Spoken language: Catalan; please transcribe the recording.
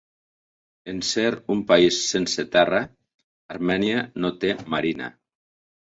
En ser un país sense terra, Armènia no té marina.